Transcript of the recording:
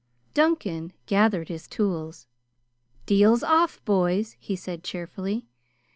Duncan gathered his tools. "Deal's off, boys!" he said cheerfully.